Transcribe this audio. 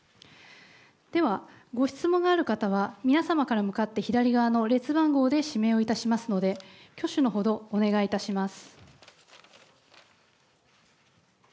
では、ご質問がある方は、皆様から向かって左側の列番号で指名をいたしますので、挙手のほどお願いいたします。